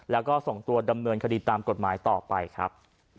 แล้วก็ส่งตัวดำเนินคดีตามกฎหมายต่อไปครับ